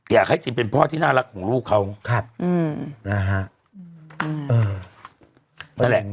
อยากให้จินเป็นพ่อที่น่ารักของลูกเขาครับอืมนะฮะเออนั่นแหละ